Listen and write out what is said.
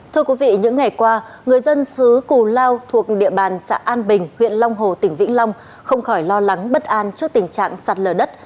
thưa quý vị những ngày qua người dân xứ cù lao thuộc địa bàn xã an bình huyện long hồ tỉnh vĩnh long không khỏi lo lắng bất an trước tình trạng sạt lở đất